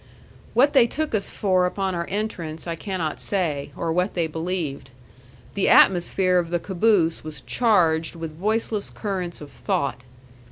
What they took us for upon our entrance I cannot say, or what they believed. The atmosphere of the caboose was charged with voiceless currents of thought.